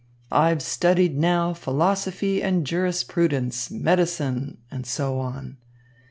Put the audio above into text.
'I've studied now Philosophy and Jurisprudence, Medicine,' and so on.